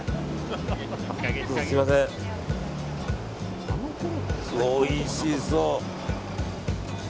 おいしそう。